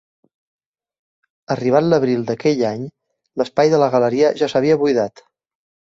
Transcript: Arribat l'abril d'aquell any, l'espai de la galeria ja s'havia buidat.